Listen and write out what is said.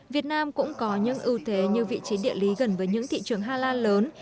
việt nam cũng có những ưu thế như vị trí địa lý gần với những thị trường hala lớn